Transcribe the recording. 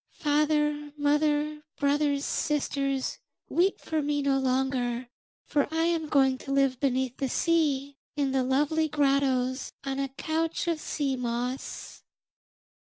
Father, mother, brothers, sisters, weep for me no longer, for I am going to live beneath the sea, in the lovely grottos, on a couch of sea moss.'